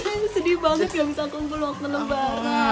abis aku umpul waktu lebaran